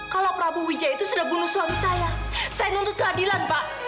kalau prabu wijaya itu sudah bunuh suami saya saya nuntut keadilan pak